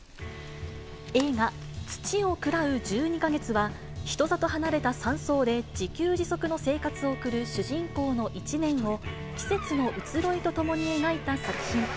映画、土を喰らう十二ヵ月は、人里離れた山荘で、自給自足の生活を送る主人公の１年を、季節の移ろいとともに描いた作品。